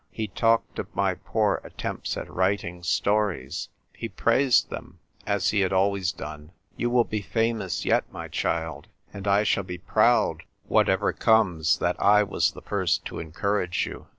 He talked of my poor attempts at writing stories ; he praised them, as he had always done. " You will be famous yet, my child ; and I shall be proud, whatever comes, that I was the first to encourage you."